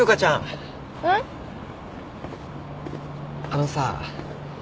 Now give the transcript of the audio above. あのさ。